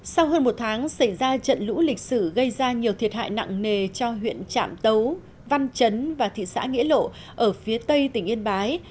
sau hơn một tháng xảy ra trận lũ lịch sử gây ra nhiều thiệt hại nặng nề cho huyện trạm tấu văn chấn và thị xã nghĩa lộ ở phía tây tỉnh yên bái